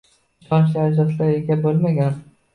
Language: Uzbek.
«ishonchli ajdodiga ega bo‘lmagan»